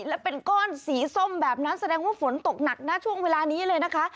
และเป็นก้อนสีส้มแบบนั้นแสดงว่าฝนตกหนักนะช่วงเวลานี้เลยนะคะ